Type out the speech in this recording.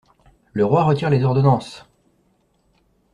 Le Roi retire les ordonnances!